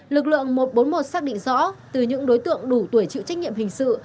lực lượng một trăm bốn mươi một xác định rõ từ những đối tượng đủ tuổi chịu trách nhiệm hình sự